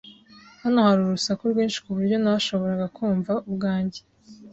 Hano hari urusaku rwinshi ku buryo ntashoboraga kumva ubwanjye.